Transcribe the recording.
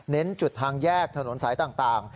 จุดทางแยกถนนสายต่าง